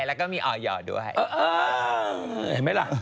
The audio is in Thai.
และมีออยยอดด้วย